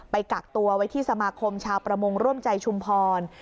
กักตัวไว้ที่สมาคมชาวประมงร่วมใจชุมพร